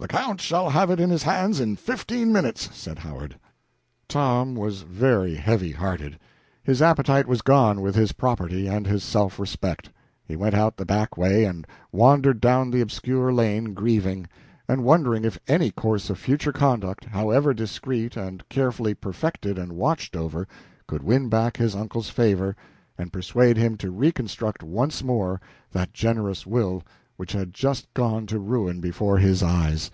"The Count shall have it in his hands in fifteen minutes," said Howard. Tom was very heavy hearted. His appetite was gone with his property and his self respect. He went out the back way and wandered down the obscure lane grieving, and wondering if any course of future conduct, however discreet and carefully perfected and watched over, could win back his uncle's favor and persuade him to reconstruct once more that generous will which had just gone to ruin before his eyes.